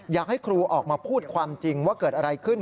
อยากให้ครูออกมาพูดความจริงว่าเกิดอะไรขึ้น